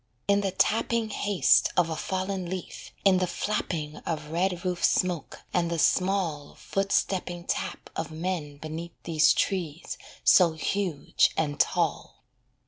In the tapping haste of a fallen leaf, In the flapping of red roof smoke, and the small Foot stepping tap of men beneath These trees so huge and tall.